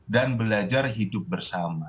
dan belajar hidup bersama